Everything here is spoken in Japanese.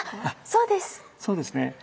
そうですね。